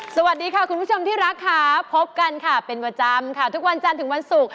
สวัสดีค่ะคุณผู้ชมที่รักค่ะพบกันค่ะเป็นประจำค่ะทุกวันจันทร์ถึงวันศุกร์